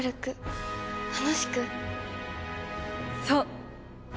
そう！